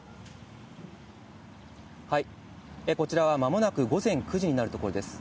こちらはまもなく午前９時になるところです。